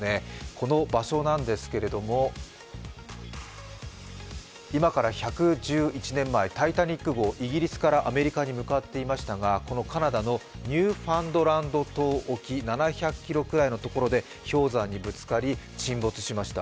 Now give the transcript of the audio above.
この場所なんですけれども、今から１１１年前、「タイタニック」号イギリスからアメリカに向かっていましたが、カナダのニューファンドランド島沖７００ｋｍぐらいのところで、氷山にぶつかり沈没しました。